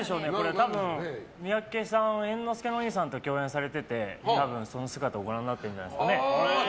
多分、三宅さん猿之助のお兄さんと共演されてて多分その姿をご覧になってるんじゃないですか。